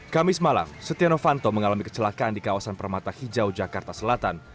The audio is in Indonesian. kamis malam setia novanto mengalami kecelakaan di kawasan permata hijau jakarta selatan